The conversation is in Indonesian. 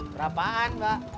bang cepet bang